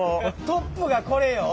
トップがこれよ？